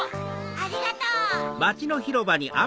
ありがとう。